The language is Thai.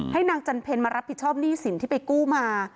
นางจันเพลมารับผิดชอบหนี้สินที่ไปกู้มา